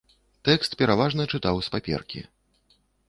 Тэкст пераважна чытаў з паперкі.